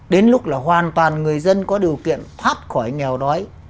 đến lúc là hoàn toàn người dân có điều kiện thoát khỏi nghèo đói